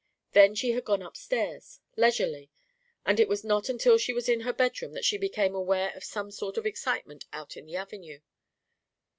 Then she had gone upstairs, leisurely, and it was not until she was in her bedroom that she became aware of some sort of excitement out in the Avenue.